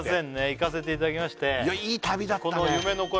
行かせていただきましていやいい旅だったね